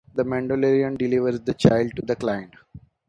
The Mandalorian delivers "the Child" to the Client.